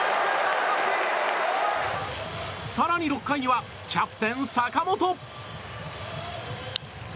更に６回にはキャプテン、坂本。